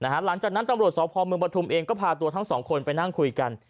หลังจากนั้นตำรวจสพเมืองปฐุมเองก็พาตัวทั้งสองคนไปนั่งคุยกัน